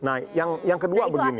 nah yang kedua begini